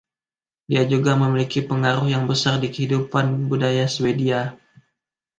Dia juga memiliki pengaruh yang besar di kehidupan budaya Swedia.